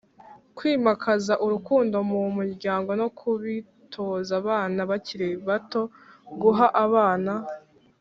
kwimakaza urukundo mu muryango no kubitoza abana bakiri bato guha abana